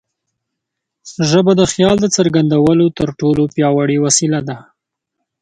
ژبه د خیال د څرګندولو تر ټولو پیاوړې وسیله ده.